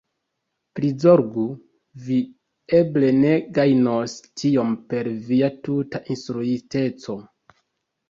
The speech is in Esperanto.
Prizorgu! Vi eble ne gajnos tiome per via tuta instruiteco.